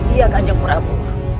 iya kanjeng prabu